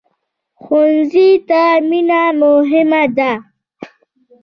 ښوونځی ته مینه مهمه ده